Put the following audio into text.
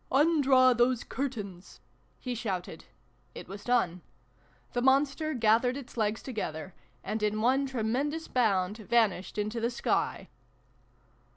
" Undraw those curtains !" he shouted. It was done. The Monster gathered its legs together, and in one tremendous bound vanished into the sky.